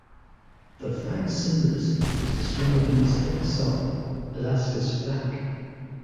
The flag's symbolism is described in the state song, "Alaska's Flag".